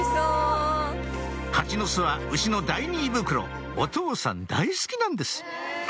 ハチノスは牛の第２胃袋お父さん大好きなんです